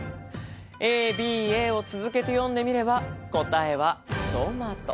ＡＢＡを続けて読んでみれば、答えは「トマト」。